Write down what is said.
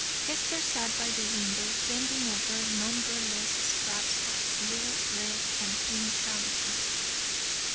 Hester sat by the window, bending over numberless scraps of blue, red, and pink calico.